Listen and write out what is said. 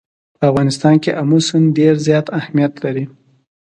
په افغانستان کې آمو سیند ډېر زیات اهمیت لري.